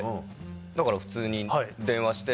だから普通に電話して。